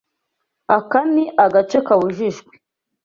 Aka ni agace kabujijwe.